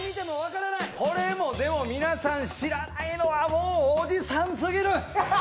これもでも皆さん知らないのはもうおじさんすぎる！